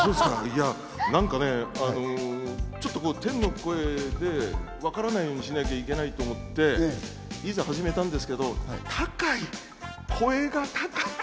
何かねぇ、天の声でわからないようにしなきゃいけないと思って、いざ始めたんですけど、高い、声が高い。